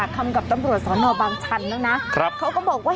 อ่ามันต้องกลับมา